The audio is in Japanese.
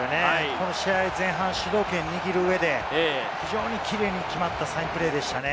この試合、前半、主導権を握る上で非常にキレイに決まったファインプレーでしたね。